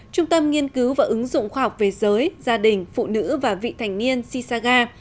trung tâm nghiên cứu và ứng dụng khoa học về giới gia đình phụ nữ và vị thành niên sisaga